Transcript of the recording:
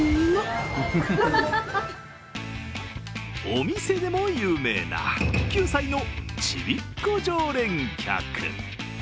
お店でも有名な９歳のちびっこ常連客。